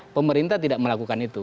oke iya pemerintah tidak melakukan itu